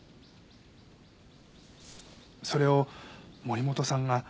それを森本さんが。